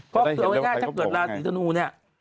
ก็แสดงว่าถ้าเกิดลาศีธนูเนี่ย